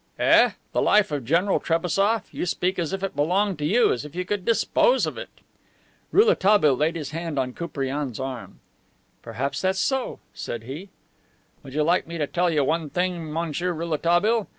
"Eh? The life of General Trebassof! You speak as if it belonged to you, as if you could dispose of it." Rouletabille laid his hand on Koupriane's arm. "Perhaps that's so," said he. "Would you like me to tell you one thing, Monsieur Rouletabille?